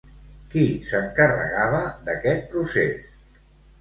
Qui s'encarregava d'aquest procés?